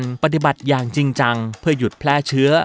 ปฏิบัติอย่างจริงจังเพื่อหยุดแพร่เชื้อ